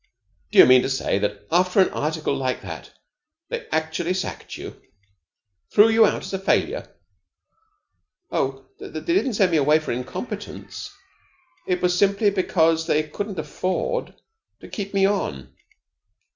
Do you mean to say that, after an article like that, they actually sacked you? Threw you out as a failure?" "Oh, they didn't send me away for incompetence. It was simply because they couldn't afford to keep me on.